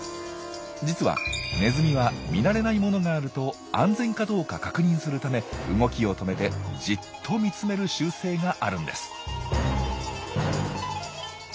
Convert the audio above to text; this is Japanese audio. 実はネズミは見慣れないものがあると安全かどうか確認するため動きを止めてじっと見つめる習性があるんです。